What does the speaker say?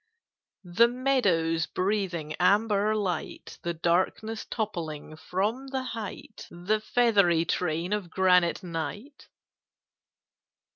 "The meadows breathing amber light, The darkness toppling from the height, The feathery train of granite Night?